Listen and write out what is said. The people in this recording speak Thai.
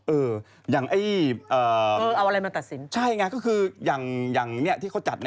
เอออย่างไอ้ใช่ไงก็คืออย่างนี้ที่เขาจัด